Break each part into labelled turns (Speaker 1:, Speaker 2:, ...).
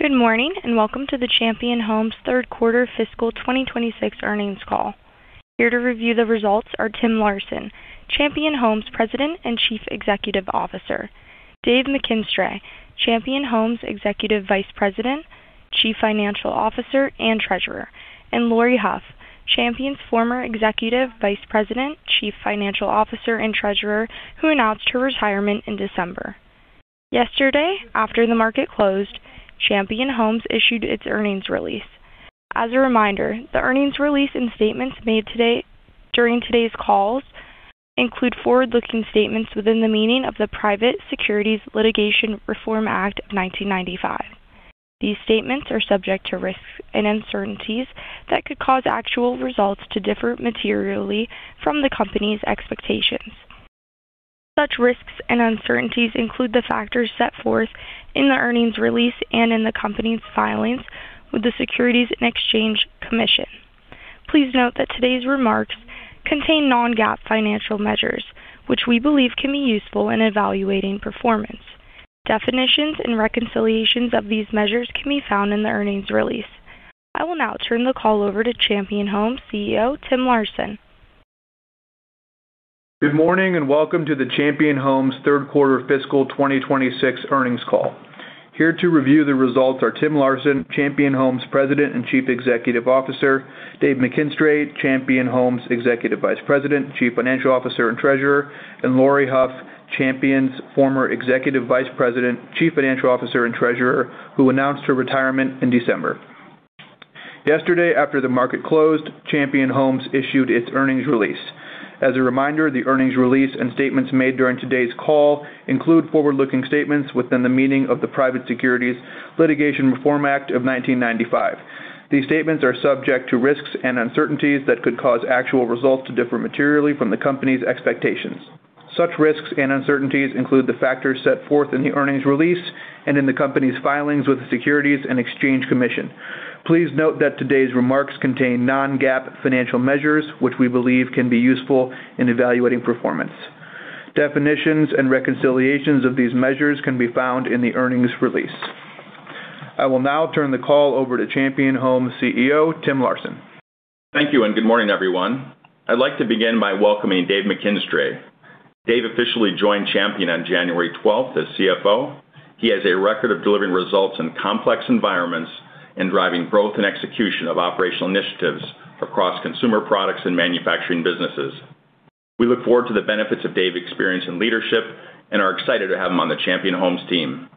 Speaker 1: Good morning, and welcome to the Champion Homes Q3 fiscal 2026 earnings call. Here to review the results are Tim Larson, Champion Homes President and Chief Executive Officer, Dave McKinstry, Champion Homes Executive Vice President, Chief Financial Officer, and Treasurer, and Laurie Hough, Champion's former Executive Vice President, Chief Financial Officer, and Treasurer, who announced her retirement in December. Yesterday, after the market closed, Champion Homes issued its earnings release. As a reminder, the earnings release and statements made today, during today's calls include forward-looking statements within the meaning of the Private Securities Litigation Reform Act of 1995. These statements are subject to risks and uncertainties that could cause actual results to differ materially from the company's expectations. Such risks and uncertainties include the factors set forth in the earnings release and in the company's filings with the Securities and Exchange Commission. Please note that today's remarks contain non-GAAP financial measures, which we believe can be useful in evaluating performance. Definitions and reconciliations of these measures can be found in the earnings release. I will now turn the call over to Champion Homes CEO, Tim Larson.
Speaker 2: Good morning, and welcome to the Champion Homes third quarter fiscal 2026 earnings call. Here to review the results are Tim Larson, Champion Homes President and Chief Executive Officer, Dave McKinstry, Champion Homes Executive Vice President, Chief Financial Officer and Treasurer, and Laurie Hough, Champion's former Executive Vice President, Chief Financial Officer and Treasurer, who announced her retirement in December. Yesterday, after the market closed, Champion Homes issued its earnings release. As a reminder, the earnings release and statements made during today's call include forward-looking statements within the meaning of the Private Securities Litigation Reform Act of 1995. These statements are subject to risks and uncertainties that could cause actual results to differ materially from the company's expectations. Such risks and uncertainties include the factors set forth in the earnings release and in the company's filings with the Securities and Exchange Commission. Please note that today's remarks contain non-GAAP financial measures, which we believe can be useful in evaluating performance. Definitions and reconciliations of these measures can be found in the earnings release. I will now turn the call over to Champion Homes CEO, Tim Larson. Thank you, and good morning, everyone. I'd like to begin by welcoming Dave McKinstry. Dave officially joined Champion on January twelfth as CFO. He has a record of delivering results in complex environments and driving growth and execution of operational initiatives across consumer products and manufacturing businesses. We look forward to the benefits of Dave's experience and leadership and are excited to have him on the Champion Homes team.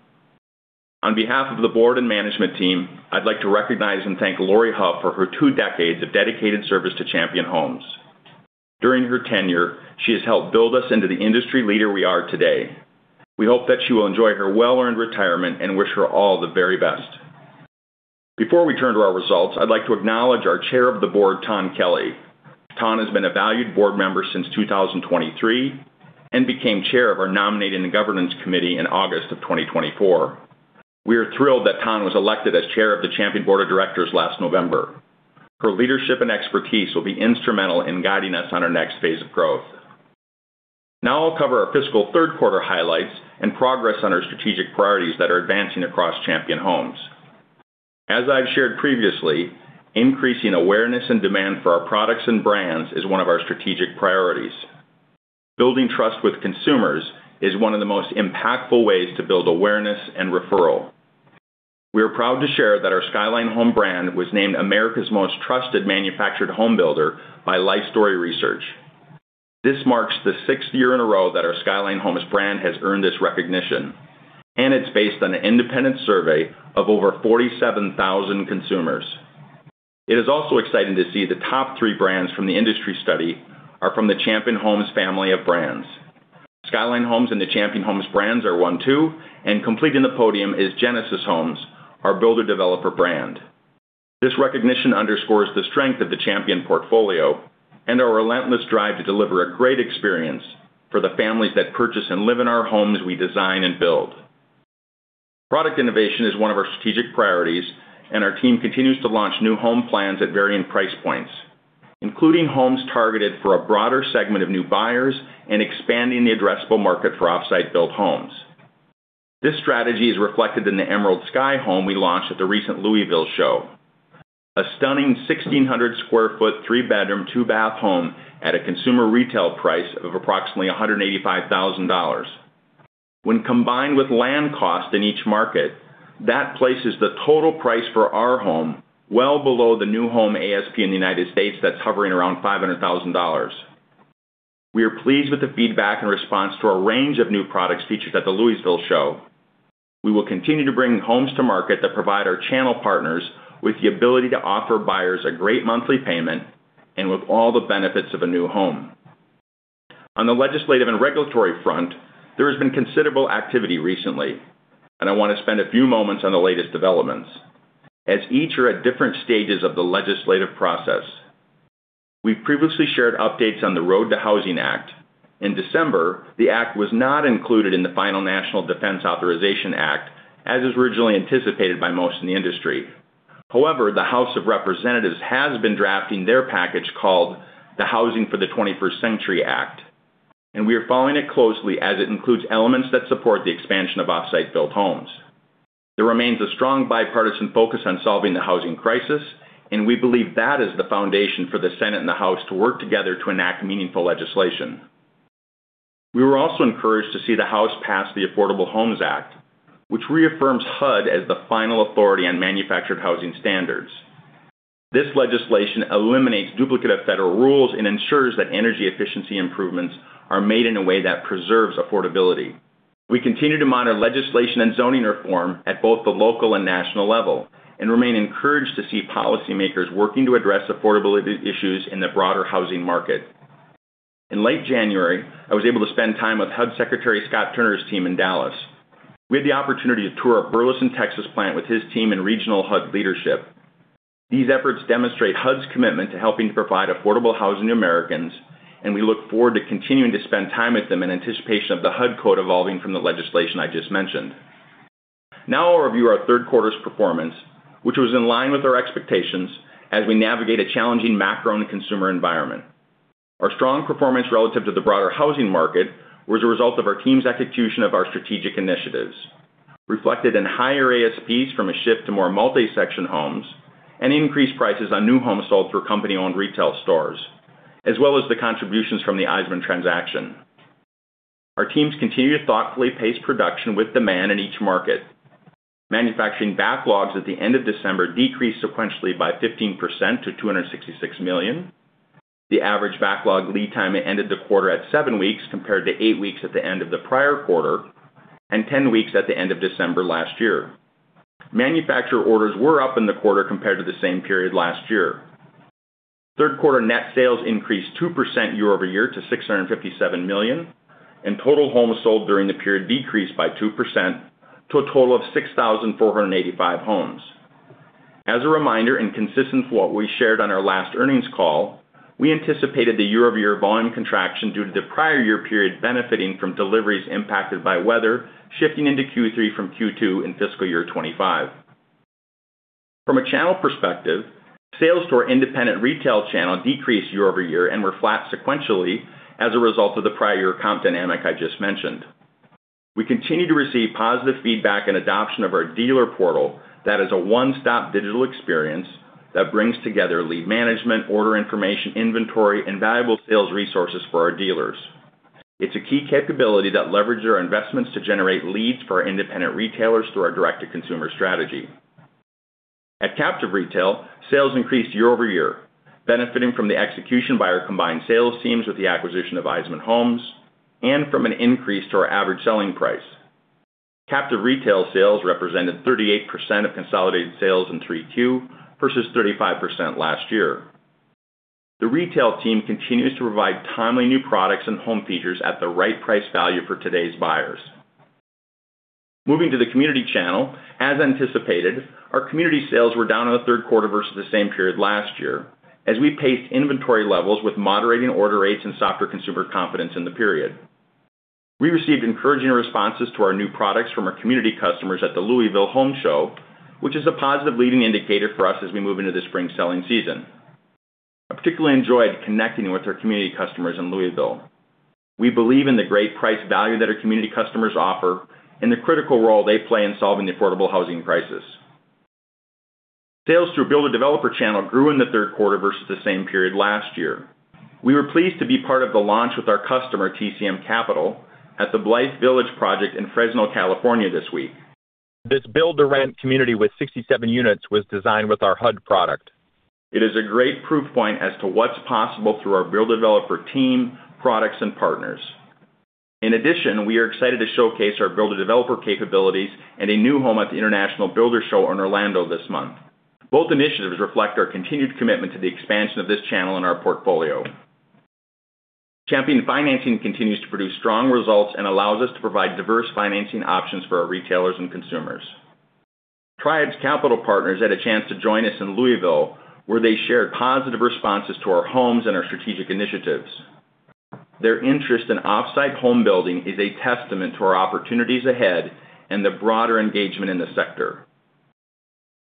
Speaker 2: On behalf of the board and management team, I'd like to recognize and thank Laurie Hough for her two decades of dedicated service to Champion Homes. During her tenure, she has helped build us into the industry leader we are today. We hope that she will enjoy her well-earned retirement and wish her all the very best. Before we turn to our results, I'd like to acknowledge our chair of the board, Tawn Kelley. Tawn has been a valued board member since 2023 and became chair of our nominating and governance committee in August of 2024. We are thrilled that Tawn was elected as chair of the Champion Board of Directors last November. Her leadership and expertise will be instrumental in guiding us on our next phase of growth. Now I'll cover our fiscal third quarter highlights and progress on our strategic priorities that are advancing across Champion Homes. As I've shared previously, increasing awareness and demand for our products and brands is one of our strategic priorities. Building trust with consumers is one of the most impactful ways to build awareness and referral. We are proud to share that our Skyline Homes brand was named America's Most Trusted Manufactured Home Builder by Lifestory Research. This marks the sixth year in a row that our Skyline Homes brand has earned this recognition, and it's based on an independent survey of over 47,000 consumers. It is also exciting to see the top three brands from the industry study are from the Champion Homes family of brands. Skyline Homes and the Champion Homes brands are one, two, and completing the podium is Genesis Homes, our builder developer brand. This recognition underscores the strength of the Champion portfolio and our relentless drive to deliver a great experience for the families that purchase and live in our homes we design and build. Product innovation is one of our strategic priorities, and our team continues to launch new home plans at varying price points, including homes targeted for a broader segment of new buyers and expanding the addressable market for off-site built homes. This strategy is reflected in the Emerald Sky home we launched at the recent Louisville show. A stunning 1,600 sq ft, three-bedroom, two-bath home at a consumer retail price of approximately $185,000. When combined with land cost in each market, that places the total price for our home well below the new home ASP in the United States that's hovering around $500,000. We are pleased with the feedback and response to a range of new products featured at the Louisville show. We will continue to bring homes to market that provide our channel partners with the ability to offer buyers a great monthly payment and with all the benefits of a new home. On the legislative and regulatory front, there has been considerable activity recently, and I want to spend a few moments on the latest developments, as each are at different stages of the legislative process. We've previously shared updates on the ROAD to Housing Act. In December, the act was not included in the final National Defense Authorization Act, as was originally anticipated by most in the industry. However, the House of Representatives has been drafting their package called the Housing for the 21st Century Act and we are following it closely as it includes elements that support the expansion of off-site built homes. There remains a strong bipartisan focus on solving the housing crisis, and we believe that is the foundation for the Senate and the House to work together to enact meaningful legislation. We were also encouraged to see the House pass the Affordable Homes Act, which reaffirms HUD as the final authority on manufactured housing standards. This legislation eliminates duplication of federal rules and ensures that energy efficiency improvements are made in a way that preserves affordability. We continue to monitor legislation and zoning reform at both the local and national level, and remain encouraged to see policymakers working to address affordability issues in the broader housing market. In late January, I was able to spend time with HUD Secretary Scott Turner's team in Dallas. We had the opportunity to tour our Burleson, Texas, plant with his team and regional HUD leadership. These efforts demonstrate HUD's commitment to helping to provide affordable housing to Americans, and we look forward to continuing to spend time with them in anticipation of the HUD code evolving from the legislation I just mentioned. Now I'll review our third quarter's performance, which was in line with our expectations as we navigate a challenging macro and consumer environment. Our strong performance relative to the broader housing market was a result of our team's execution of our strategic initiatives, reflected in higher ASPs from a shift to more multi-section homes and increased prices on new homes sold through company-owned retail stores, as well as the contributions from the Iseman transaction. Our teams continue to thoughtfully pace production with demand in each market. Manufacturing backlogs at the end of December decreased sequentially by 15% to $266 million. The average backlog lead time ended the quarter at 7 weeks, compared to 8 weeks at the end of the prior quarter, and 10 weeks at the end of December last year. Manufacturer orders were up in the quarter compared to the same period last year. Third quarter net sales increased 2% year-over-year to $657 million, and total homes sold during the period decreased by 2% to a total of 6,485 homes. As a reminder, and consistent with what we shared on our last earnings call, we anticipated the year-over-year volume contraction due to the prior year period benefiting from deliveries impacted by weather, shifting into Q3 from Q2 in fiscal year 2025. From a channel perspective, sales to our independent retail channel decreased year-over-year and were flat sequentially as a result of the prior year comp dynamic I just mentioned. We continue to receive positive feedback and adoption of our Dealer Portal that is a one-stop digital experience that brings together lead management, order information, inventory, and valuable sales resources for our dealers. It's a key capability that leverages our investments to generate leads for our independent retailers through our direct-to-consumer strategy. At captive retail, sales increased year-over-year, benefiting from the execution by our combined sales teams with the acquisition of Iseman Homes, and from an increase to our average selling price. captive retail sales represented 38% of consolidated sales in Q3 versus 35% last year. The retail team continues to provide timely new products and home features at the right price value for today's buyers. Moving to the community channel, as anticipated, our community sales were down in the third quarter versus the same period last year, as we paced inventory levels with moderating order rates and softer consumer confidence in the period. We received encouraging responses to our new products from our community customers at the Louisville Home Show, which is a positive leading indicator for us as we move into the spring selling season. I particularly enjoyed connecting with our community customers in Louisville. We believe in the great price value that our community customers offer and the critical role they play in solving the affordable housing crisis. Sales through builder developer channel grew in the third quarter versus the same period last year. We were pleased to be part of the launch with our customer, TCM Capital, at the Blythe Village project in Fresno, California, this week. This build-to-rent community with 67 units was designed with our HUD product. It is a great proof point as to what's possible through our builder developer team, products, and partners. In addition, we are excited to showcase our build-to-developer capabilities and a new home at the International Builders' Show in Orlando this month. Both initiatives reflect our continued commitment to the expansion of this channel in our portfolio. Champion Financing continues to produce strong results and allows us to provide diverse financing options for our retailers and consumers. Triad's capital partners had a chance to join us in Louisville, where they shared positive responses to our homes and our strategic initiatives. Their interest in off-site home building is a testament to our opportunities ahead and the broader engagement in the sector.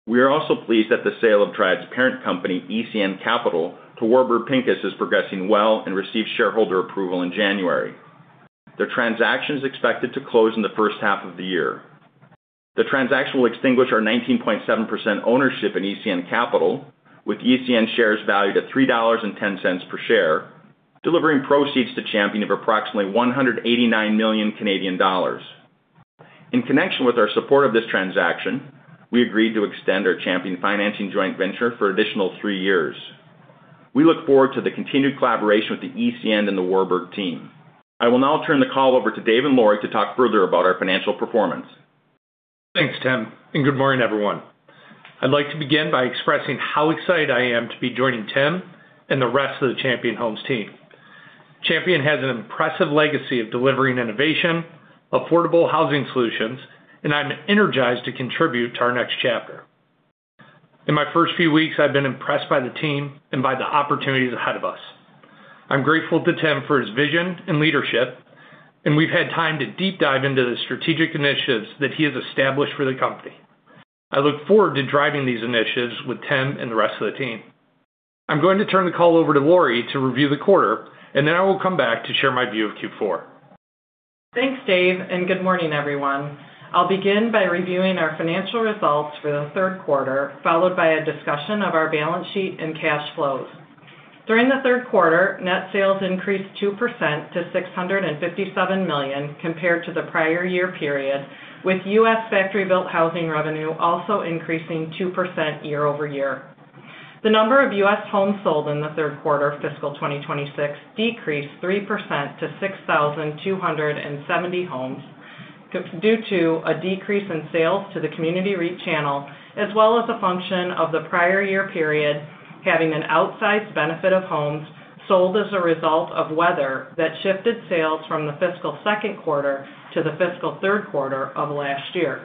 Speaker 2: We are also pleased that the sale of Triad's parent company, ECN Capital, to Warburg Pincus, is progressing well and received shareholder approval in January. The transaction is expected to close in the first half of the year. The transaction will extinguish our 19.7% ownership in ECN Capital, with ECN shares valued at $3.10 per share, delivering proceeds to Champion of approximately 189 million Canadian dollars. In connection with our support of this transaction, we agreed to extend our Champion Financing joint venture for an additional three years. We look forward to the continued collaboration with the ECN and the Warburg team. I will now turn the call over to Dave and Laurie to talk further about our financial performance.
Speaker 3: Thanks, Tim, and good morning, everyone. I'd like to begin by expressing how excited I am to be joining Tim and the rest of the Champion Homes team. Champion has an impressive legacy of delivering innovation, affordable housing solutions, and I'm energized to contribute to our next chapter. In my first few weeks, I've been impressed by the team and by the opportunities ahead of us. I'm grateful to Tim for his vision and leadership, and we've had time to deep dive into the strategic initiatives that he has established for the company.... I look forward to driving these initiatives with Tim and the rest of the team. I'm going to turn the call over to Laurie to review the quarter, and then I will come back to share my view of Q4.
Speaker 4: Thanks, Dave, and good morning, everyone. I'll begin by reviewing our financial results for the third quarter, followed by a discussion of our balance sheet and cash flows. During the third quarter, net sales increased 2% to $657 million compared to the prior year period, with US factory-built housing revenue also increasing 2% year-over-year. The number of US homes sold in the third quarter of fiscal 2026 decreased 3% to 6,270 homes, due to a decrease in sales to the community REIT channel, as well as a function of the prior year period, having an outsized benefit of homes sold as a result of weather that shifted sales from the fiscal second quarter to the fiscal third quarter of last year.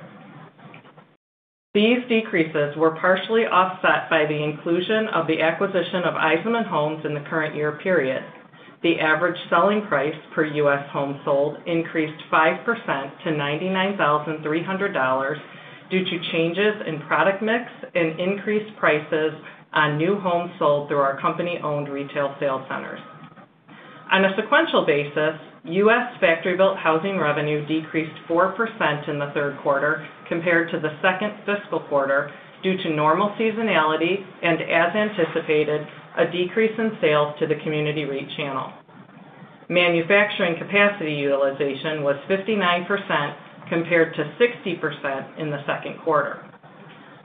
Speaker 4: These decreases were partially offset by the inclusion of the acquisition of Iseman Homes in the current year period. The average selling price per U.S. home sold increased 5% to $99,300, due to changes in product mix and increased prices on new homes sold through our company-owned retail sales centers. On a sequential basis, U.S. factory-built housing revenue decreased 4% in the third quarter compared to the second fiscal quarter due to normal seasonality and, as anticipated, a decrease in sales to the community REIT channel. Manufacturing capacity utilization was 59%, compared to 60% in the second quarter.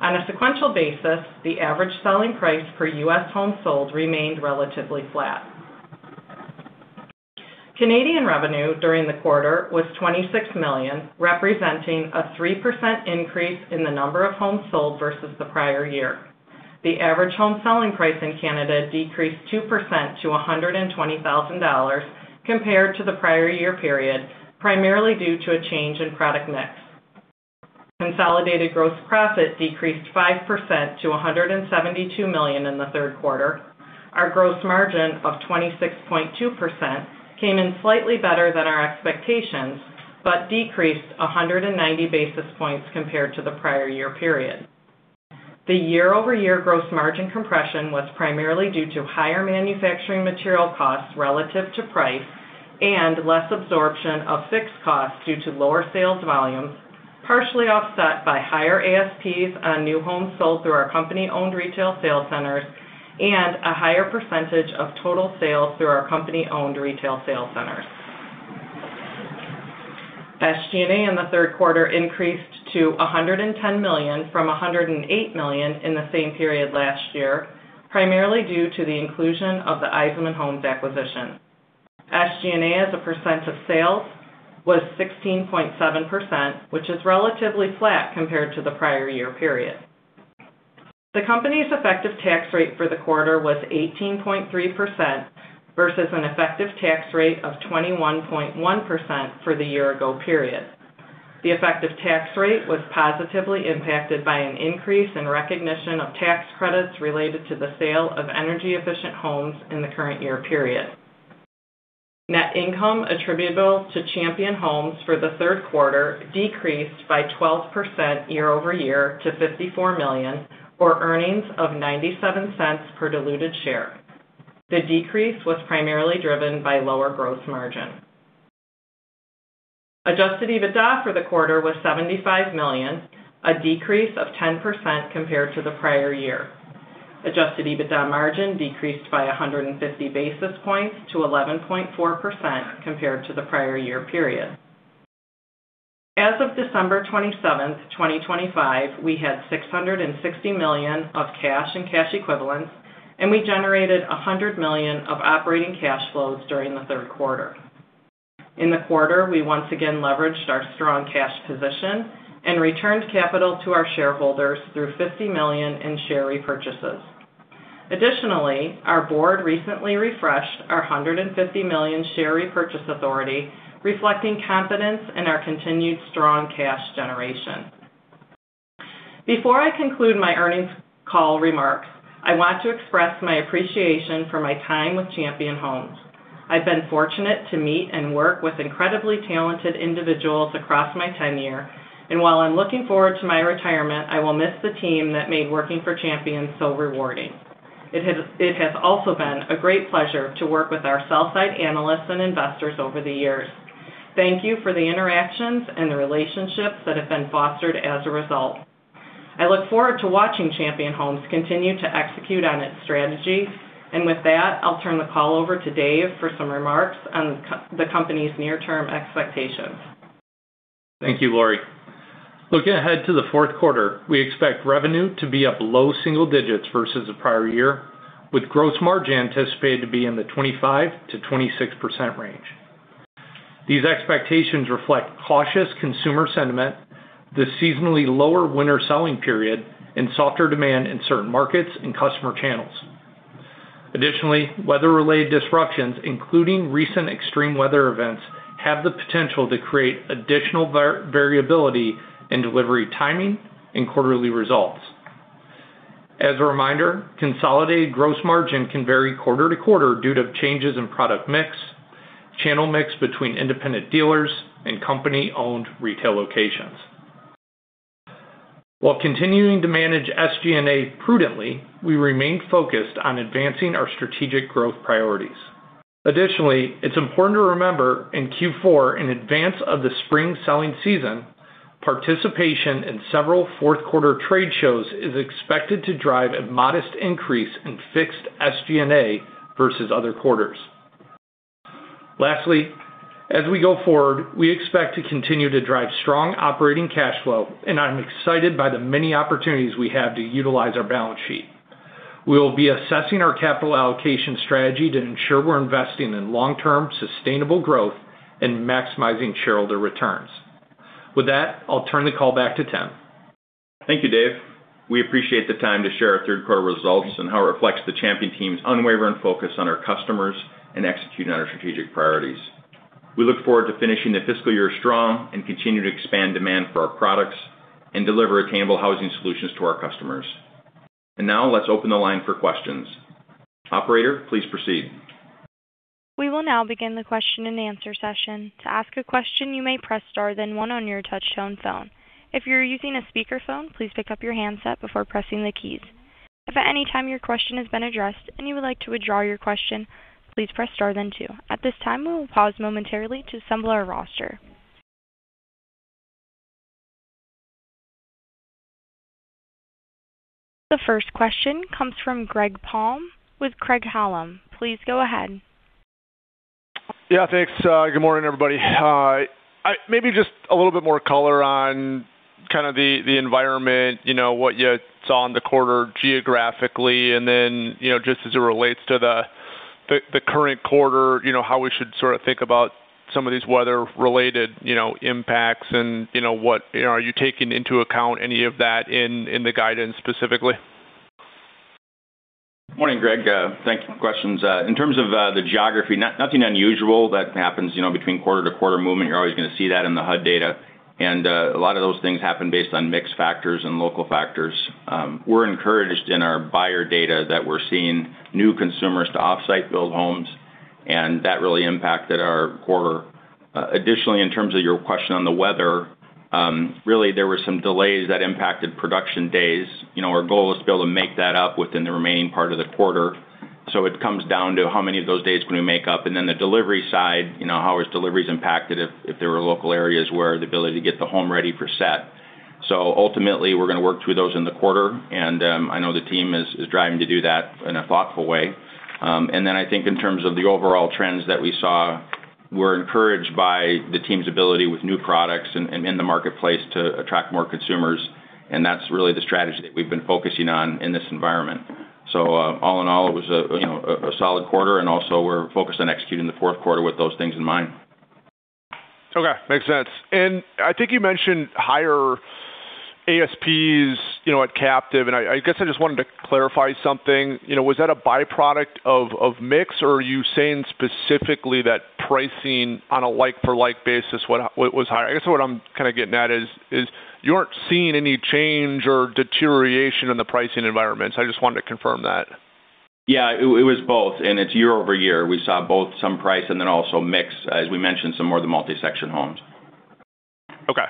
Speaker 4: On a sequential basis, the average selling price per U.S. home sold remained relatively flat. Canadian revenue during the quarter was $26 million, representing a 3% increase in the number of homes sold versus the prior year. The average home selling price in Canada decreased 2% to $120,000 compared to the prior year period, primarily due to a change in product mix. Consolidated gross profit decreased 5% to $172 million in the third quarter. Our gross margin of 26.2% came in slightly better than our expectations, but decreased 190 basis points compared to the prior year period. The year-over-year gross margin compression was primarily due to higher manufacturing material costs relative to price and less absorption of fixed costs due to lower sales volumes, partially offset by higher ASPs on new homes sold through our company-owned retail sales centers, and a higher percentage of total sales through our company-owned retail sales centers. SG&A in the third quarter increased to $110 million from $108 million in the same period last year, primarily due to the inclusion of the Iseman Homes acquisition. SG&A, as a percent of sales, was 16.7%, which is relatively flat compared to the prior year period. The company's effective tax rate for the quarter was 18.3% versus an effective tax rate of 21.1% for the year-ago period. The effective tax rate was positively impacted by an increase in recognition of tax credits related to the sale of energy-efficient homes in the current year period. Net income attributable to Champion Homes for the third quarter decreased by 12% year-over-year to $54 million, or earnings of $0.97 per diluted share. The decrease was primarily driven by lower gross margin. Adjusted EBITDA for the quarter was $75 million, a decrease of 10% compared to the prior year. Adjusted EBITDA margin decreased by 150 basis points to 11.4% compared to the prior year period. As of December 27, 2025, we had $660 million of cash and cash equivalents, and we generated $100 million of operating cash flows during the third quarter. In the quarter, we once again leveraged our strong cash position and returned capital to our shareholders through $50 million in share repurchases. Additionally, our board recently refreshed our $150 million share repurchase authority, reflecting confidence in our continued strong cash generation. Before I conclude my earnings call remarks, I want to express my appreciation for my time with Champion Homes. I've been fortunate to meet and work with incredibly talented individuals across my tenure, and while I'm looking forward to my retirement, I will miss the team that made working for Champion so rewarding. It has also been a great pleasure to work with our sellside analysts and investors over the years. Thank you for the interactions and the relationships that have been fostered as a result. I look forward to watching Champion Homes continue to execute on its strategy, and with that, I'll turn the call over to Dave for some remarks on the company's near-term expectations.
Speaker 3: Thank you, Laurie. Looking ahead to the fourth quarter, we expect revenue to be up low single digits versus the prior year, with gross margin anticipated to be in the 25%-26% range. These expectations reflect cautious consumer sentiment, the seasonally lower winter selling period, and softer demand in certain markets and customer channels. Additionally, weather-related disruptions, including recent extreme weather events, have the potential to create additional variability in delivery, timing, and quarterly results.... As a reminder, consolidated gross margin can vary quarter to quarter due to changes in product mix, channel mix between independent dealers, and company-owned retail locations. While continuing to manage SG&A prudently, we remain focused on advancing our strategic growth priorities. Additionally, it's important to remember, in Q4, in advance of the spring selling season, participation in several fourth quarter trade shows is expected to drive a modest increase in fixed SG&A versus other quarters. Lastly, as we go forward, we expect to continue to drive strong operating cash flow, and I'm excited by the many opportunities we have to utilize our balance sheet. We will be assessing our capital allocation strategy to ensure we're investing in long-term, sustainable growth and maximizing shareholder returns. With that, I'll turn the call back to Tim.
Speaker 2: Thank you, Dave. We appreciate the time to share our third quarter results and how it reflects the Champion team's unwavering focus on our customers and executing on our strategic priorities. We look forward to finishing the fiscal year strong and continue to expand demand for our products and deliver attainable housing solutions to our customers. And now, let's open the line for questions. Operator, please proceed.
Speaker 1: We will now begin the question-and-answer session. To ask a question, you may press star, then one on your touchtone phone. If you're using a speakerphone, please pick up your handset before pressing the keys. If at any time your question has been addressed, and you would like to withdraw your question, please press star then two. At this time, we will pause momentarily to assemble our roster. The first question comes from Greg Palm with Craig-Hallum. Please go ahead.
Speaker 5: Yeah, thanks. Good morning, everybody. Maybe just a little bit more color on kind of the environment, you know, what you saw in the quarter geographically, and then, you know, just as it relates to the current quarter, you know, how we should sort of think about some of these weather-related, you know, impacts, and, you know, are you taking into account any of that in the guidance, specifically?
Speaker 2: Morning, Greg, thank you for the questions. In terms of the geography, nothing unusual that happens, you know, between quarter-to-quarter movement. You're always going to see that in the HUD data. A lot of those things happen based on mixed factors and local factors. We're encouraged in our buyer data that we're seeing new consumers to off-site built homes, and that really impacted our quarter. Additionally, in terms of your question on the weather, really, there were some delays that impacted production days. You know, our goal is to be able to make that up within the remaining part of the quarter, so it comes down to how many of those days can we make up? And then the delivery side, you know, how is deliveries impacted if, if there were local areas where the ability to get the home ready for set. So ultimately, we're going to work through those in the quarter, and I know the team is, is driving to do that in a thoughtful way. And then I think in terms of the overall trends that we saw, we're encouraged by the team's ability with new products in, in the marketplace to attract more consumers, and that's really the strategy that we've been focusing on in this environment. So, all in all, it was a, you know, a, a solid quarter, and also we're focused on executing the fourth quarter with those things in mind.
Speaker 5: Okay, makes sense. I think you mentioned higher ASPs, you know, at captive, and I guess I just wanted to clarify something. You know, was that a byproduct of mix, or are you saying specifically that pricing on a like-for-like basis was higher? I guess what I'm kind of getting at is you aren't seeing any change or deterioration in the pricing environments. I just wanted to confirm that.
Speaker 2: Yeah, it was both, and it's year-over-year. We saw both some price and then also mix, as we mentioned, some more of the multi-section homes.
Speaker 5: Okay.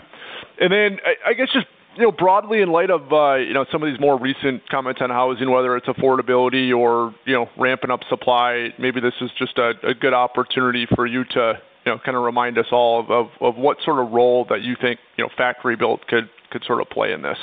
Speaker 5: And then I guess just, you know, broadly in light of, you know, some of these more recent comments on housing, whether it's affordability or, you know, ramping up supply, maybe this is just a good opportunity for you to, you know, kind of remind us all of what sort of role that you think, you know, factory built could sort of play in this.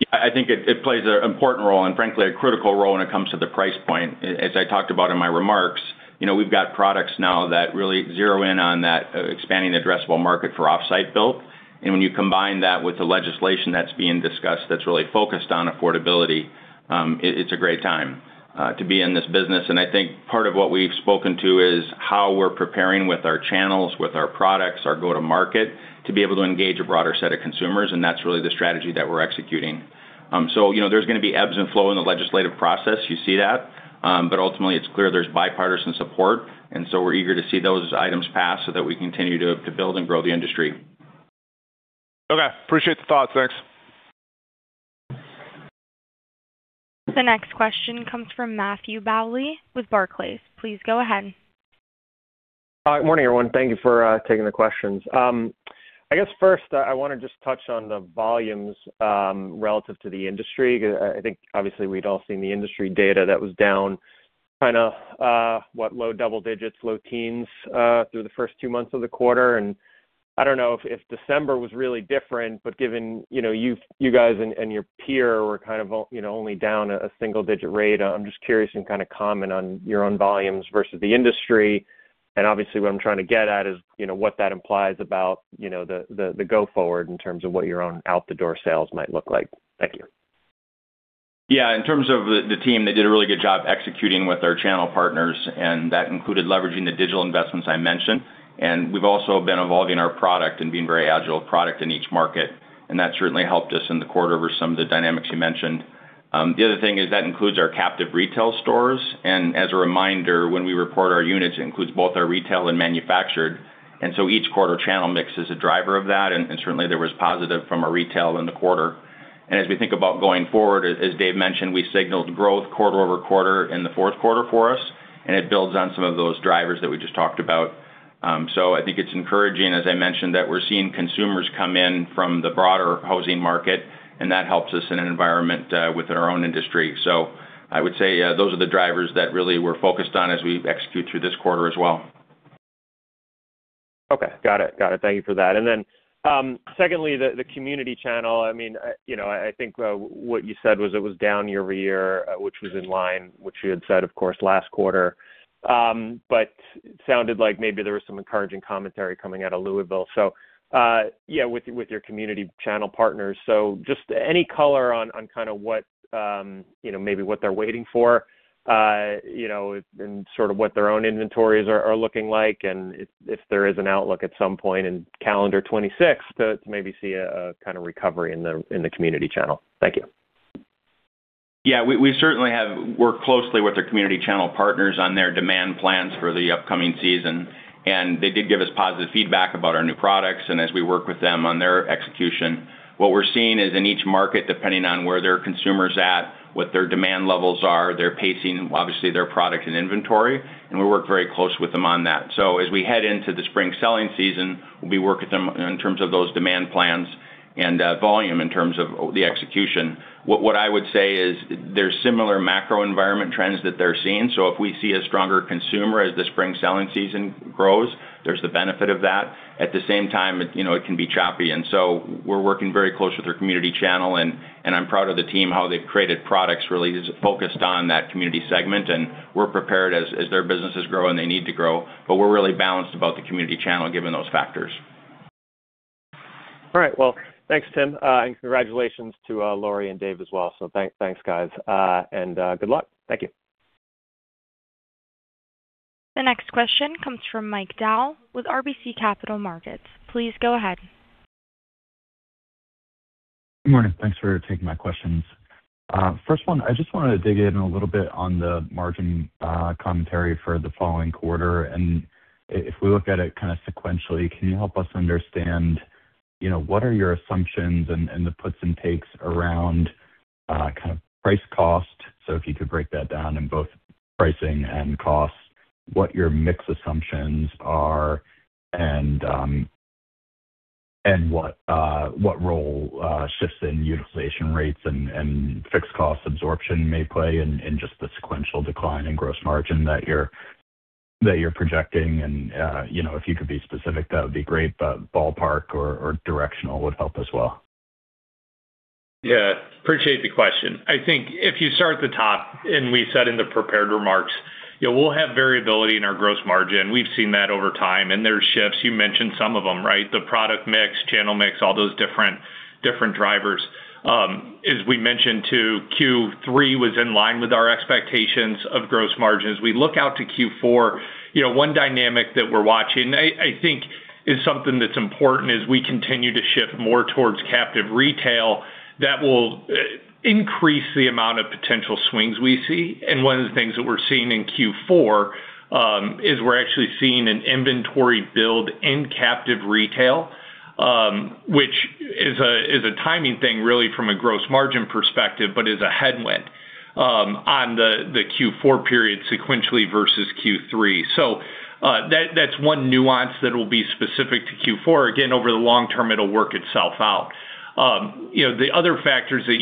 Speaker 2: Yeah, I think it plays an important role and frankly, a critical role when it comes to the price point. As I talked about in my remarks, you know, we've got products now that really zero in on that, expanding addressable market for off-site built. And when you combine that with the legislation that's being discussed, that's really focused on affordability, it's a great time to be in this business. And I think part of what we've spoken to is how we're preparing with our channels, with our products, our go-to-market, to be able to engage a broader set of consumers, and that's really the strategy that we're executing. So, you know, there's going to be ebbs and flow in the legislative process. You see that. But ultimately, it's clear there's bipartisan support, and so we're eager to see those items pass so that we continue to build and grow the industry.
Speaker 5: Okay, appreciate the thoughts. Thanks.
Speaker 1: The next question comes from Matthew Bouley with Barclays. Please go ahead.
Speaker 6: Hi. Good morning, everyone. Thank you for taking the questions. I guess first, I want to just touch on the volumes relative to the industry. I think obviously we'd all seen the industry data that was down, kind of, what, low double digits, low teens through the first two months of the quarter. And I don't know if December was really different, but given, you know, you guys and your peer were kind of, you know, only down a single digit rate. I'm just curious and kind of comment on your own volumes versus the industry. And obviously, what I'm trying to get at is, you know, the go-forward in terms of what your own out-the-door sales might look like. Thank you.
Speaker 2: Yeah, in terms of the team, they did a really good job executing with our channel partners, and that included leveraging the digital investments I mentioned. And we've also been evolving our product and being very agile with product in each market, and that certainly helped us in the quarter over some of the dynamics you mentioned. The other thing is that includes our captive retail stores. And as a reminder, when we report our units, it includes both our retail and manufactured. And so each quarter channel mix is a driver of that, and certainly, there was positive from our retail in the quarter. And as we think about going forward, as Dave mentioned, we signaled growth quarter-over-quarter in the fourth quarter for us, and it builds on some of those drivers that we just talked about. I think it's encouraging, as I mentioned, that we're seeing consumers come in from the broader housing market, and that helps us in an environment within our own industry. So I would say those are the drivers that really we're focused on as we execute through this quarter as well.
Speaker 6: Okay, got it. Got it. Thank you for that. Then, secondly, the community channel. I mean, you know, I think what you said was it was down year over year, which was in line, which you had said, of course, last quarter. But it sounded like maybe there was some encouraging commentary coming out of Louisville. So, yeah, with your community channel partners. So just any color on kind of what you know, maybe what they're waiting for, you know, and sort of what their own inventories are looking like, and if there is an outlook at some point in calendar 2026 to maybe see a kind of recovery in the community channel. Thank you.
Speaker 2: Yeah, we, we certainly have worked closely with our community channel partners on their demand plans for the upcoming season, and they did give us positive feedback about our new products, and as we work with them on their execution. What we're seeing is in each market, depending on where their consumer's at, what their demand levels are, they're pacing, obviously, their product and inventory, and we work very close with them on that. So as we head into the spring selling season, we work with them in terms of those demand plans and volume in terms of the execution. What, what I would say is there's similar macro environment trends that they're seeing. So if we see a stronger consumer as the spring selling season grows, there's the benefit of that. At the same time, it, you know, it can be choppy, and so we're working very closely with our community channel, and I'm proud of the team, how they've created products really focused on that community segment, and we're prepared as their businesses grow, and they need to grow. But we're really balanced about the community channel, given those factors.
Speaker 6: All right. Well, thanks, Tim. And congratulations to Laurie and Dave as well. So thanks, guys. And good luck. Thank you.
Speaker 1: The next question comes from Mike Dahl with RBC Capital Markets. Please go ahead.
Speaker 7: Good morning. Thanks for taking my questions. First one, I just wanted to dig in a little bit on the margin commentary for the following quarter. And if we look at it kind of sequentially, can you help us understand, you know, what are your assumptions and the puts and takes around kind of price cost? So if you could break that down in both pricing and costs, what your mix assumptions are, and what role shifts in utilization rates and fixed cost absorption may play in just the sequential decline in gross margin that you're projecting. And you know, if you could be specific, that would be great, but ballpark or directional would help as well.
Speaker 3: Yeah, appreciate the question. I think if you start at the top, and we said in the prepared remarks, you know, we'll have variability in our gross margin. We've seen that over time, and there are shifts. You mentioned some of them, right? The product mix, channel mix, all those different, different drivers. As we mentioned, too, Q3 was in line with our expectations of gross margins. We look out to Q4, you know, one dynamic that we're watching, I think is something that's important as we continue to shift more towards captive retail, that will increase the amount of potential swings we see. And one of the things that we're seeing in Q4 is we're actually seeing an inventory build in captive retail, which is a timing thing, really, from a gross margin perspective, but is a headwind on the Q4 period sequentially versus Q3. So, that's one nuance that will be specific to Q4. Again, over the long term, it'll work itself out. You know, the other factors that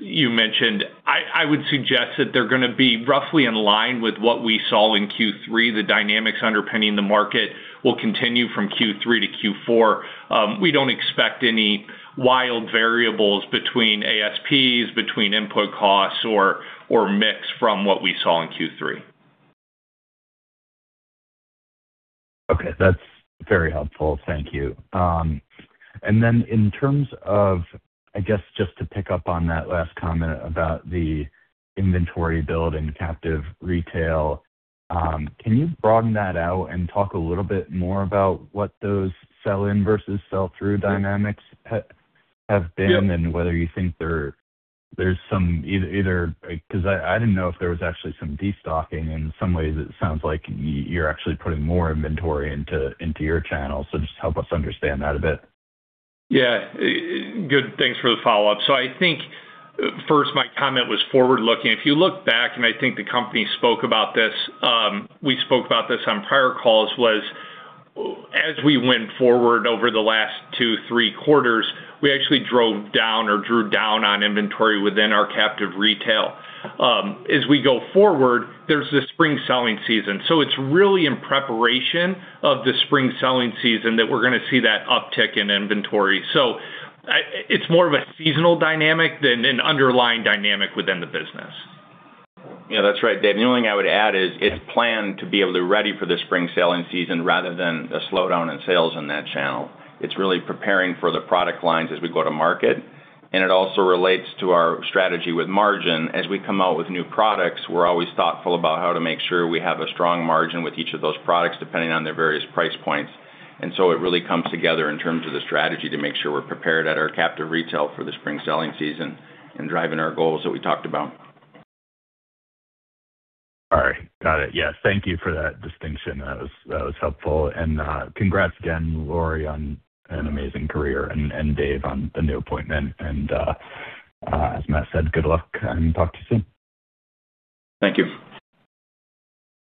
Speaker 3: you mentioned, I would suggest that they're gonna be roughly in line with what we saw in Q3. The dynamics underpinning the market will continue from Q3 to Q4. We don't expect any wild variables between ASPs, between input costs or mix from what we saw in Q3.
Speaker 7: Okay, that's very helpful. Thank you. And then in terms of I guess, just to pick up on that last comment about the inventory build in captive retail, can you broaden that out and talk a little bit more about what those sell-in versus sell-through dynamics have been?
Speaker 3: Yep.
Speaker 7: Whether you think there's some, 'cause I didn't know if there was actually some destocking. In some ways, it sounds like you're actually putting more inventory into your channel. Just help us understand that a bit?
Speaker 3: Yeah. Good. Thanks for the follow-up. So I think, first, my comment was forward-looking. If you look back, and I think the company spoke about this, we spoke about this on prior calls, as we went forward over the last two, three quarters, we actually drove down or drew down on inventory within our captive retail. As we go forward, there's the spring selling season. So it's really in preparation of the spring selling season that we're gonna see that uptick in inventory. So it's more of a seasonal dynamic than an underlying dynamic within the business.
Speaker 2: Yeah, that's right, Dave. The only thing I would add is, it's planned to be able to ready for the spring selling season rather than a slowdown in sales in that channel. It's really preparing for the product lines as we go to market, and it also relates to our strategy with margin. As we come out with new products, we're always thoughtful about how to make sure we have a strong margin with each of those products, depending on their various price points.... and so it really comes together in terms of the strategy to make sure we're prepared at our captive retail for the spring selling season and driving our goals that we talked about.
Speaker 7: All right. Got it. Yes, thank you for that distinction. That was, that was helpful. And, congrats again, Laurie, on an amazing career, and, and David, on the new appointment. And, as Matthew said, good luck, and talk to you soon.
Speaker 2: Thank you.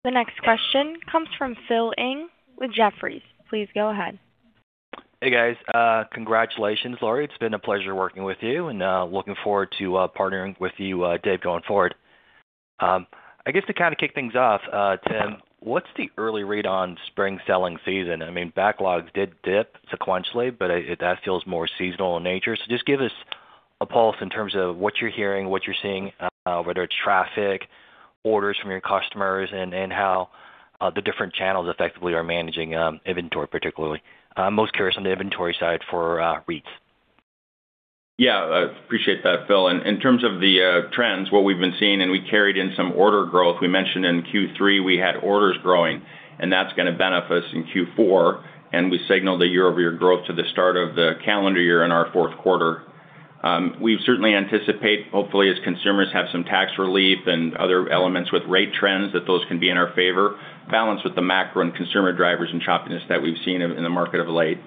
Speaker 1: The next question comes from Philip Ng with Jefferies. Please go ahead.
Speaker 8: Hey, guys. Congratulations, Laurie. It's been a pleasure working with you, and looking forward to partnering with you, Dave, going forward. I guess to kind of kick things off, Tim, what's the early read on spring selling season? I mean, backlogs did dip sequentially, but that feels more seasonal in nature. So just give us a pulse in terms of what you're hearing, what you're seeing, whether it's traffic, orders from your customers, and how the different channels effectively are managing inventory, particularly. I'm most curious on the inventory side for REITs.
Speaker 2: Yeah, I appreciate that, Phil. In terms of the trends, what we've been seeing, and we carried in some order growth. We mentioned in Q3, we had orders growing, and that's gonna benefit us in Q4, and we signaled a year-over-year growth to the start of the calendar year in our fourth quarter. We certainly anticipate, hopefully, as consumers have some tax relief and other elements with rate trends, that those can be in our favor, balanced with the macro and consumer drivers and choppiness that we've seen in the market of late.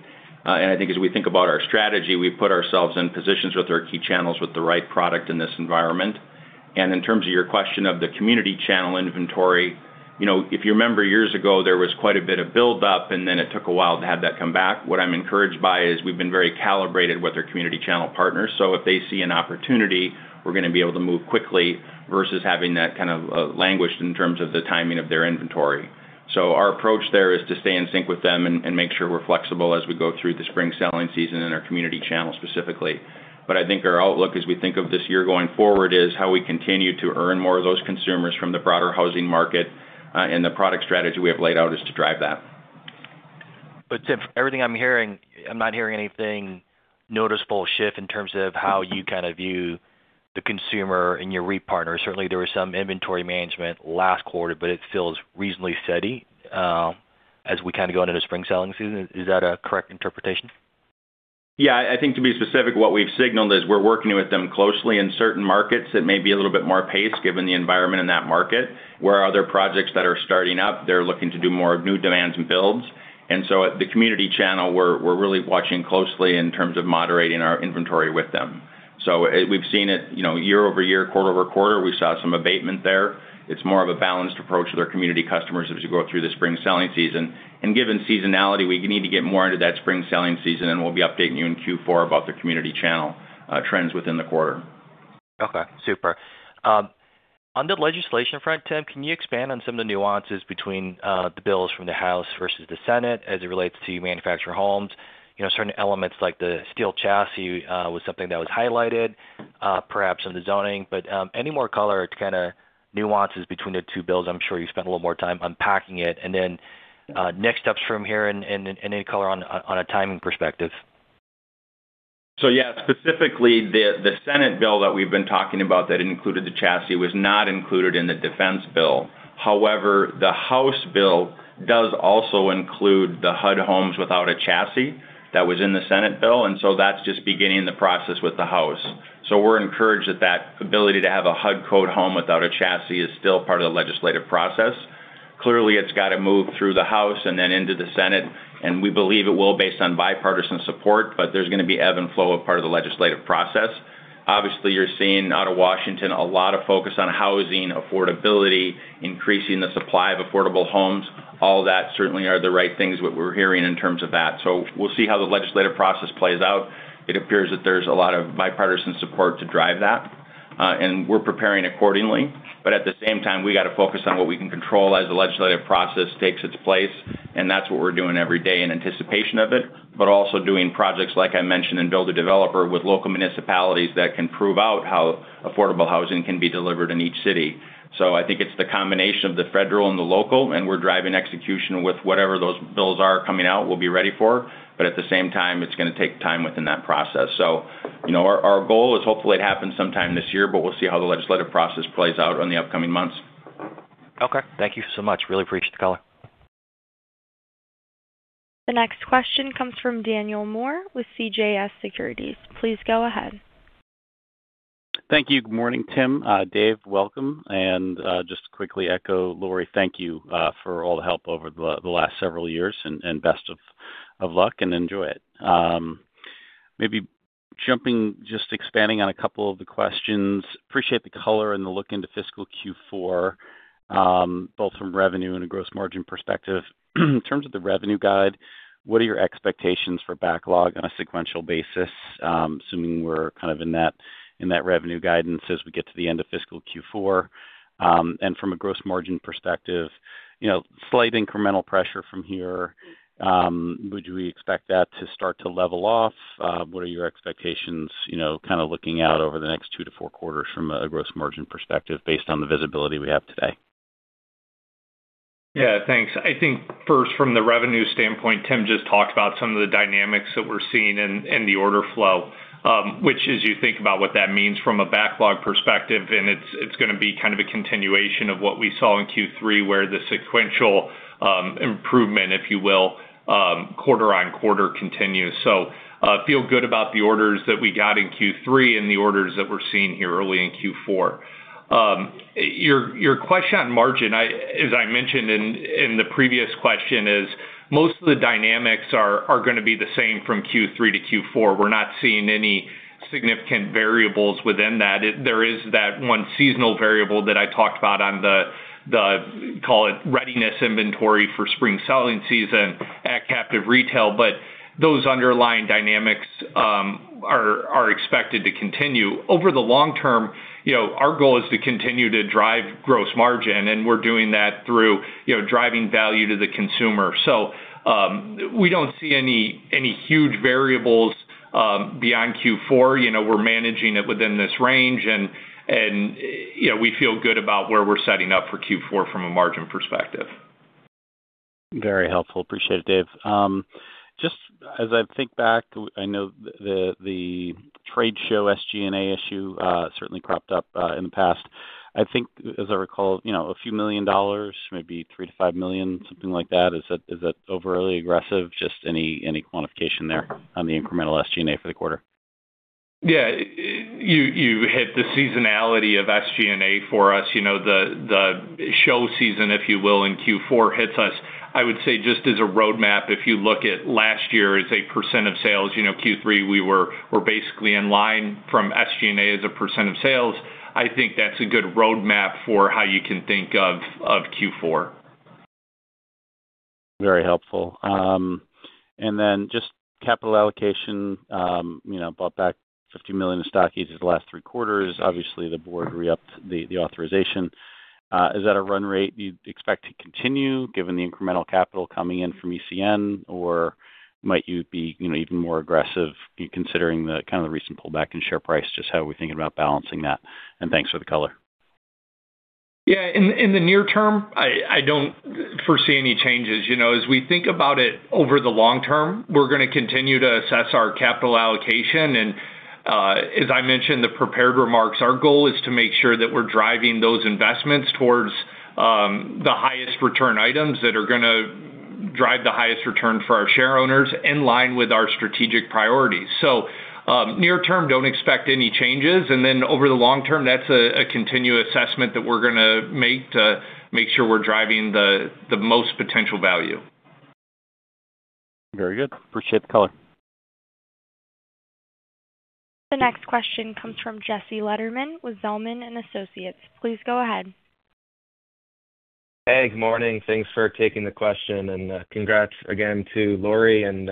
Speaker 2: And I think as we think about our strategy, we've put ourselves in positions with our key channels, with the right product in this environment. In terms of your question of the community channel inventory, you know, if you remember years ago, there was quite a bit of build-up, and then it took a while to have that come back. What I'm encouraged by is we've been very calibrated with our community channel partners. So if they see an opportunity, we're gonna be able to move quickly versus having that kind of languished in terms of the timing of their inventory. So our approach there is to stay in sync with them and make sure we're flexible as we go through the spring selling season in our community channel, specifically. But I think our outlook as we think of this year going forward, is how we continue to earn more of those consumers from the broader housing market, and the product strategy we have laid out is to drive that.
Speaker 8: But Tim, everything I'm hearing, I'm not hearing anything noticeable shift in terms of how you kind of view the consumer and your REIT partners. Certainly, there was some inventory management last quarter, but it feels reasonably steady, as we kind of go into the spring selling season. Is that a correct interpretation?
Speaker 2: Yeah, I think to be specific, what we've signaled is we're working with them closely. In certain markets, it may be a little bit more paced, given the environment in that market, where other projects that are starting up, they're looking to do more of new demands and builds. And so at the community channel, we're really watching closely in terms of moderating our inventory with them. So it. We've seen it, you know, year over year, quarter over quarter. We saw some abatement there. It's more of a balanced approach with our community customers as we go through the spring selling season. And given seasonality, we need to get more into that spring selling season, and we'll be updating you in Q4 about the community channel trends within the quarter.
Speaker 8: Okay, super. On the legislation front, Tim, can you expand on some of the nuances between the bills from the House versus the Senate as it relates to manufactured homes? You know, certain elements like the steel chassis was something that was highlighted, perhaps on the zoning. But, any more color to kind of nuances between the two bills? I'm sure you spent a little more time unpacking it, and then, next steps from here and, and, and any color on, on a timing perspective.
Speaker 2: So yeah, specifically, the Senate bill that we've been talking about that included the chassis was not included in the defense bill. However, the House bill does also include the HUD homes without a chassis that was in the Senate bill, and so that's just beginning the process with the House. So we're encouraged that that ability to have a HUD code home without a chassis is still part of the legislative process. Clearly, it's got to move through the House and then into the Senate, and we believe it will, based on bipartisan support, but there's gonna be ebb and flow as part of the legislative process. Obviously, you're seeing out of Washington, a lot of focus on housing affordability, increasing the supply of affordable homes. All that certainly are the right things, what we're hearing in terms of that. So we'll see how the legislative process plays out. It appears that there's a lot of bipartisan support to drive that, and we're preparing accordingly. But at the same time, we got to focus on what we can control as the legislative process takes its place, and that's what we're doing every day in anticipation of it, but also doing projects, like I mentioned, in builder/developer with local municipalities that can prove out how affordable housing can be delivered in each city. So I think it's the combination of the federal and the local, and we're driving execution with whatever those bills are coming out, we'll be ready for. But at the same time, it's gonna take time within that process. So, you know, our goal is hopefully it happens sometime this year, but we'll see how the legislative process plays out in the upcoming months.
Speaker 8: Okay. Thank you so much. Really appreciate the color.
Speaker 1: The next question comes from Daniel Moore with CJS Securities. Please go ahead.
Speaker 9: Thank you. Good morning, Tim. Dave, welcome. And just to quickly echo, Laurie, thank you for all the help over the last several years, and best of luck, and enjoy it. Maybe jumping just expanding on a couple of the questions. Appreciate the color and the look into fiscal Q4, both from revenue and a gross margin perspective. In terms of the revenue guide, what are your expectations for backlog on a sequential basis? Assuming we're kind of in that revenue guidance as we get to the end of fiscal Q4. And from a gross margin perspective, you know, slight incremental pressure from here, would we expect that to start to level off? What are your expectations, you know, kind of looking out over the next two to four quarters from a gross margin perspective, based on the visibility we have today?
Speaker 3: Yeah, thanks. I think first, from the revenue standpoint, Tim just talked about some of the dynamics that we're seeing in the order flow, which as you think about what that means from a backlog perspective, and it's gonna be kind of a continuation of what we saw in Q3, where the sequential improvement, if you will—... quarter-over-quarter continues. So, feel good about the orders that we got in Q3 and the orders that we're seeing here early in Q4. Your question on margin, as I mentioned in the previous question, is most of the dynamics are gonna be the same from Q3 to Q4. We're not seeing any significant variables within that. There is that one seasonal variable that I talked about on the call it readiness inventory for spring selling season at captive retail, but those underlying dynamics are expected to continue. Over the long term, you know, our goal is to continue to drive gross margin, and we're doing that through, you know, driving value to the consumer. So, we don't see any huge variables beyond Q4. You know, we're managing it within this range, and you know, we feel good about where we're setting up for Q4 from a margin perspective.
Speaker 9: Very helpful. Appreciate it, Dave. Just as I think back, I know the trade show SG&A issue certainly cropped up in the past. I think, as I recall, you know, a few million dollars, maybe $3 million-$5 million, something like that. Is that, is that overly aggressive? Just any, any quantification there on the incremental SG&A for the quarter.
Speaker 3: Yeah. You hit the seasonality of SG&A for us. You know, the show season, if you will, in Q4 hits us. I would say, just as a roadmap, if you look at last year as a % of sales, you know, Q3, we're basically in line from SG&A as a % of sales. I think that's a good roadmap for how you can think of Q4.
Speaker 9: Very helpful. And then just capital allocation, you know, bought back $50 million in stock each of the last three quarters. Obviously, the board re-upped the authorization. Is that a run rate you'd expect to continue, given the incremental capital coming in from ECN? Or might you be, you know, even more aggressive considering the kind of the recent pullback in share price? Just how are we thinking about balancing that? And thanks for the color.
Speaker 3: Yeah. In the near term, I don't foresee any changes. You know, as we think about it over the long term, we're gonna continue to assess our capital allocation, and as I mentioned, the prepared remarks, our goal is to make sure that we're driving those investments towards the highest return items that are gonna drive the highest return for our shareowners in line with our strategic priorities. So, near term, don't expect any changes, and then over the long term, that's a continuous assessment that we're gonna make to make sure we're driving the most potential value.
Speaker 9: Very good. Appreciate the color.
Speaker 1: The next question comes from Jesse Lederman with Zelman & Associates. Please go ahead.
Speaker 10: Hey, good morning. Thanks for taking the question, and congrats again to Lori, and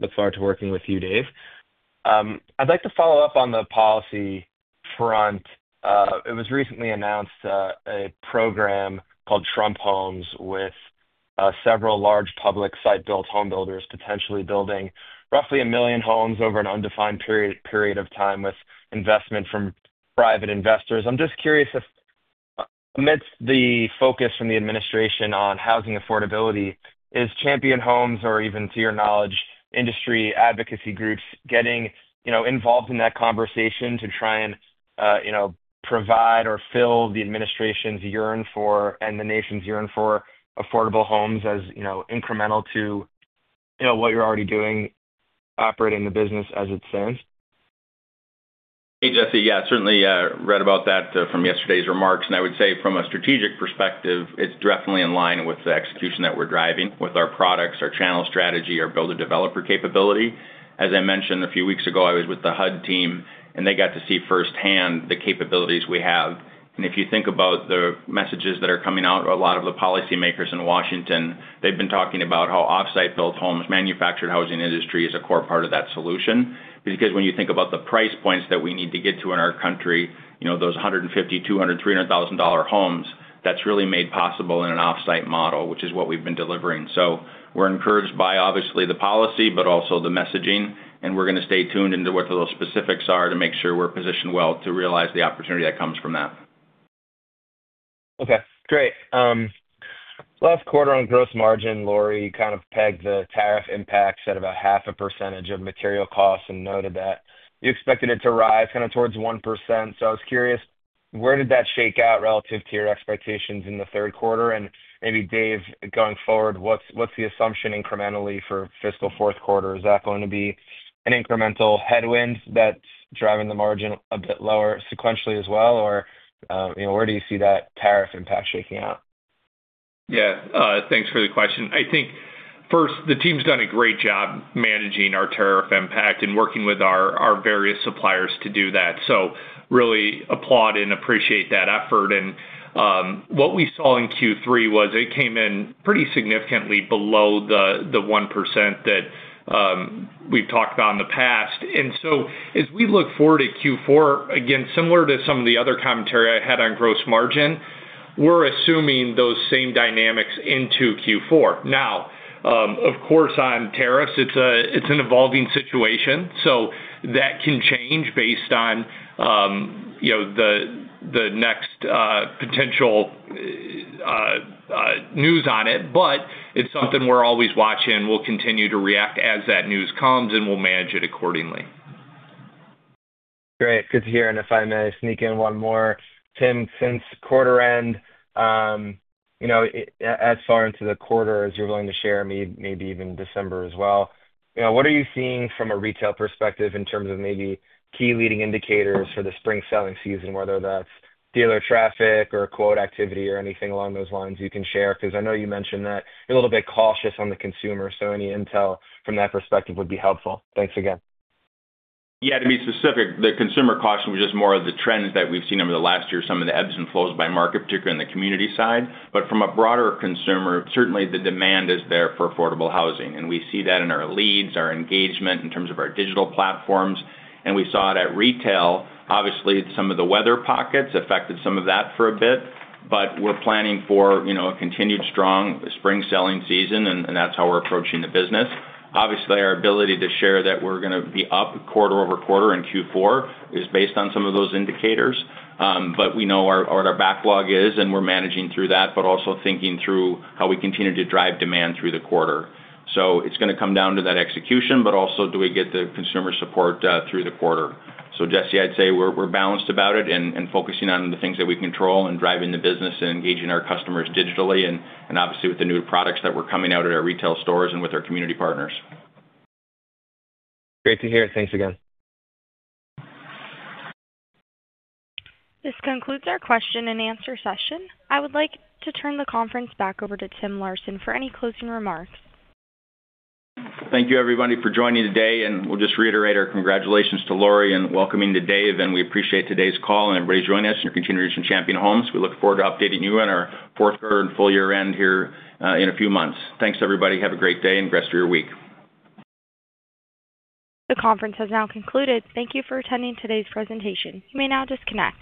Speaker 10: look forward to working with you, Dave. I'd like to follow up on the policy front. It was recently announced a program called Trump Homes, with several large public site-built homebuilders potentially building roughly 1 million homes over an undefined period of time with investment from private investors. I'm just curious if, amidst the focus from the administration on housing affordability, is Champion Homes, or even to your knowledge, industry advocacy groups, getting, you know, involved in that conversation to try and, you know, provide or fill the administration's yearn for, and the nation's yearn for, affordable homes, as, you know, incremental to, you know, what you're already doing, operating the business as it stands?
Speaker 3: Hey, Jesse. Yeah, certainly, read about that from yesterday's remarks. And I would say from a strategic perspective, it's definitely in line with the execution that we're driving with our products, our channel strategy, our builder-developer capability. As I mentioned, a few weeks ago, I was with the HUD team, and they got to see firsthand the capabilities we have. And if you think about the messages that are coming out, a lot of the policymakers in Washington, they've been talking about how off-site built homes, manufactured housing industry, is a core part of that solution. Because when you think about the price points that we need to get to in our country, you know, those $150,000, $200,000, $300,000 homes, that's really made possible in an off-site model, which is what we've been delivering. We're encouraged by obviously the policy, but also the messaging, and we're gonna stay tuned into what those specifics are to make sure we're positioned well to realize the opportunity that comes from that.
Speaker 10: Okay, great. Last quarter, on gross margin, Laurie kind of pegged the tariff impacts at about 0.5% of material costs and noted that you expected it to rise kind of towards 1%. So I was curious, where did that shake out relative to your expectations in the third quarter? And maybe, Dave, going forward, what's, what's the assumption incrementally for fiscal fourth quarter? Is that going to be an incremental headwind that's driving the margin a bit lower sequentially as well? Or, you know, where do you see that tariff impact shaking out?
Speaker 3: Yeah, thanks for the question. I think, first, the team's done a great job managing our tariff impact and working with our, our various suppliers to do that. So really applaud and appreciate that effort. And, what we saw in Q3 was it came in pretty significantly below the, the 1% that, we've talked about in the past. And so as we look forward to Q4, again, similar to some of the other commentary I had on gross margin, we're assuming those same dynamics into Q4. Now, of course, on tariffs, it's it's an evolving situation, so that can change based on, you know, the, the next, potential, news on it, but it's something we're always watching. We'll continue to react as that news comes, and we'll manage it accordingly.
Speaker 10: Great. Good to hear. And if I may sneak in one more. Tim, since quarter end, you know, as far into the quarter as you're willing to share, maybe even December as well, you know, what are you seeing from a retail perspective in terms of maybe key leading indicators for the spring selling season, whether that's dealer traffic or quote activity or anything along those lines you can share? Because I know you mentioned that you're a little bit cautious on the consumer, so any intel from that perspective would be helpful. Thanks again.
Speaker 2: Yeah, to be specific, the consumer caution was just more of the trends that we've seen over the last year, some of the ebbs and flows by market, particularly in the community side. But from a broader consumer, certainly the demand is there for affordable housing, and we see that in our leads, our engagement in terms of our digital platforms, and we saw it at retail. Obviously, some of the weather pockets affected some of that for a bit, but we're planning for, you know, a continued strong spring selling season, and, and that's how we're approaching the business. Obviously, our ability to share that we're gonna be up quarter-over-quarter in Q4 is based on some of those indicators. But we know our, what our backlog is, and we're managing through that, but also thinking through how we continue to drive demand through the quarter. So it's gonna come down to that execution, but also, do we get the consumer support through the quarter? So Jesse, I'd say we're balanced about it and focusing on the things that we control and driving the business and engaging our customers digitally and obviously with the new products that we're coming out at our retail stores and with our community partners.
Speaker 10: Great to hear. Thanks again.
Speaker 1: This concludes our question-and-answer session. I would like to turn the conference back over to Tim Larson for any closing remarks.
Speaker 2: Thank you, everybody, for joining today, and we'll just reiterate our congratulations to Laurie in welcoming today, and we appreciate today's call, and everybody who's joining us, and your continued interest in Champion Homes. We look forward to updating you on our fourth quarter and full year-end here, in a few months. Thanks, everybody. Have a great day and rest of your week.
Speaker 1: The conference has now concluded. Thank you for attending today's presentation. You may now disconnect.